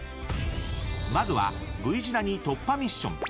まずはＶ字谷突破ミッション。